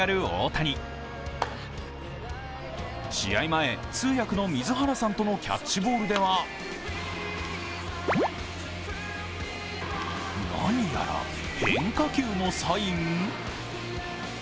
前、通訳の水原さんとのキャッチボールでは、何やら変化球のサイン？